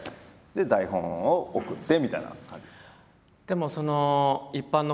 で台本を送ってみたいな感じですね。